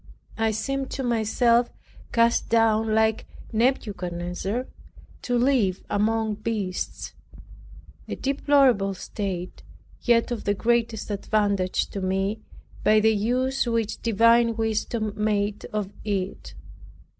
I seemed to myself cast down like Nebuchadnezzar, to live among beasts; a deplorable state, yet of the greatest advantage to me, by the use which divine wisdom made of it.